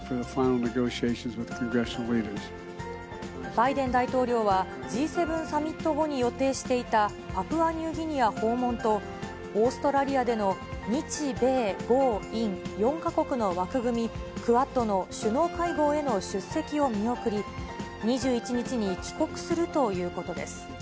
バイデン大統領は、Ｇ７サミット後に予定していたパプアニューギニア訪問と、オーストラリアでの日米豪印４か国の枠組み、クアッドの首脳会合への出席を見送り、２１日に帰国するということです。